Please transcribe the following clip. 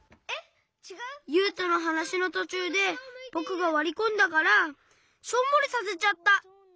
ゆうとのはなしのとちゅうでぼくがわりこんだからしょんぼりさせちゃった。